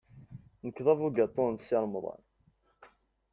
Nekk d abugaṭu n Si Remḍan.